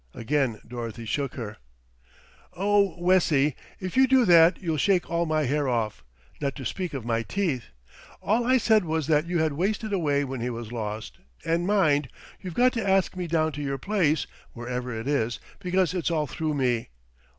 Again Dorothy shook her. "Oh, Wessie, if you do that you'll shake all my hair off, not to speak of my teeth. All I said was that you had wasted away when he was lost, and mind, you've got to ask me down to your place, wherever it is, because it's all through me.